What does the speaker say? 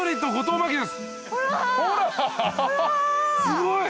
すごい！